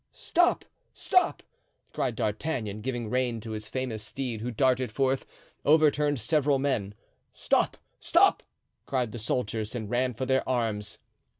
"Stop! stop!" cried D'Artagnan, giving rein to his famous steed, who, darting forth, overturned several men. "Stop! stop!" cried the soldiers, and ran for their arms.